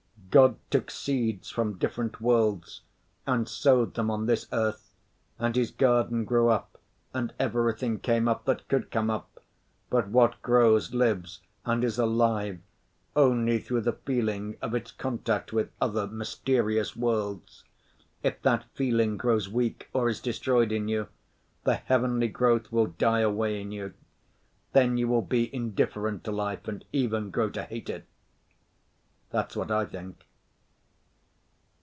God took seeds from different worlds and sowed them on this earth, and His garden grew up and everything came up that could come up, but what grows lives and is alive only through the feeling of its contact with other mysterious worlds. If that feeling grows weak or is destroyed in you, the heavenly growth will die away in you. Then you will be indifferent to life and even grow to hate it. That's what I think.